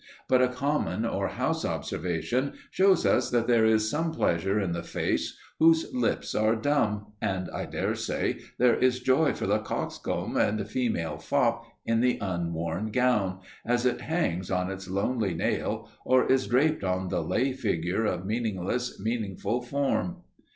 But a common or house observation shows us that there is some pleasure in the face whose lips are dumb, and I dare say there is joy for the coxcomb and female fop in the unworn gown, as it hangs on its lonely nail, or is draped on the lay figure of meaningless, meaningful form.